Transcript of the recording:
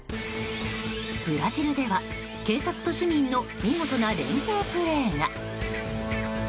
ブラジルでは警察と市民の見事な連係プレーが。